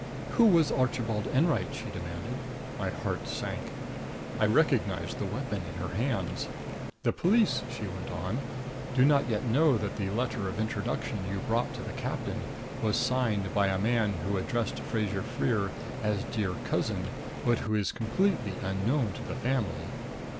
"Who was Archibald Enwright?" she demanded. My heart sank. I recognized the weapon in her hands. "The police," she went on, "do not yet know that the letter of introduction you brought to the captain was signed by a man who addressed Fraser Freer as Dear Cousin, but who is completely unknown to the family.